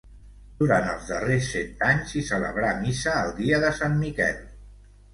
Durant els darrers cent anys s'hi celebrà missa el dia de Sant Miquel.